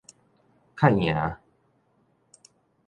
較贏